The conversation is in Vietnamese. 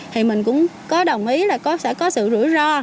thì mình cũng có đồng ý là con sẽ có sự rủi ro